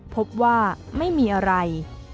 พบว่าไม่มีอะไร